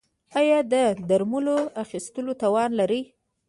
ایا د درملو اخیستلو توان لرئ؟